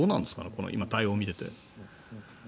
この対応を見てて。